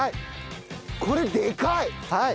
これでかい！